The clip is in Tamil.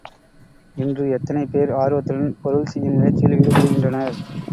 இன்று எத்தனை பேர் ஆர்வத்துடன் பொருள் செய்யும் முயற்சியில் ஈடுபடுகின்றனர்?